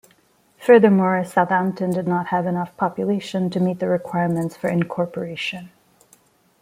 Furthermore, Southampton did not have enough population to meet the requirements for incorporation.